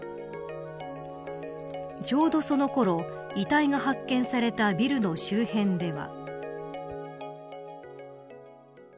ちょうどその頃遺体が発見されたビルの周辺では。